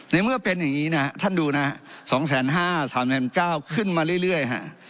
ในเมื่อเป็นอย่างนี้นะท่านดูนะสองแสนห้าสามแสนเก้าขึ้นมาเรื่อย